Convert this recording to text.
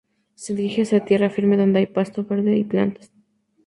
Se dirige hacia tierra firme donde hay pasto verde y plantas.